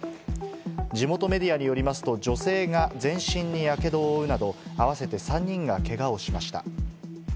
地元メディアによりますと、女性が全身にやけどを負うなど、合わせて３人がけがをしました。